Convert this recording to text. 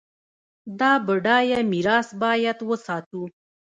دا بډایه میراث باید وساتو.